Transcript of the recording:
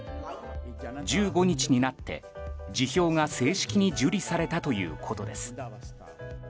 １５日になって辞表が正式に受理されたということです。